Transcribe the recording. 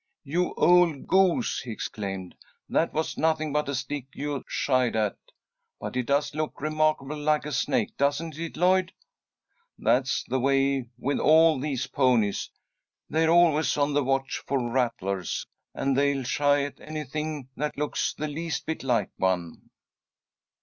"You old goose!" he exclaimed. "That was nothing but a stick you shied at. But it does look remarkably like a snake, doesn't it, Lloyd? That's the way with all these ponies. They're always on the watch for rattlers, and they'll shy at anything that looks the least bit like one."